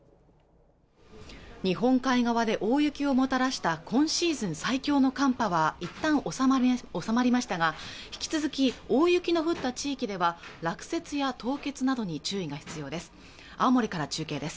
日本海側で大雪をもたらした今シーズン最強の寒波はいったん収まりましたが引き続き大雪の降った地域では落石や凍結などに注意が必要です